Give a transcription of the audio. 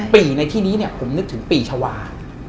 ปีในที่นี้ผมนึกถึงปีชาวา